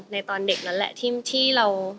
ตอนเด็กนั้นแหละที่เรา